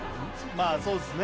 まあそうすね